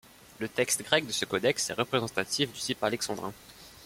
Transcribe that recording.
Le texte grec de ce codex est représentatif du type alexandrin.